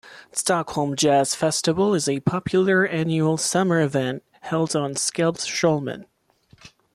Stockholm Jazz Festival is a popular annual summer event held on Skeppsholmen.